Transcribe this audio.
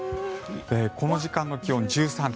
この時間の気温１３．８度。